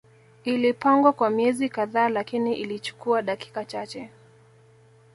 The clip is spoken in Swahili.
Ilipangwa kwa miezi kadhaa lakini ilichukua dakika chache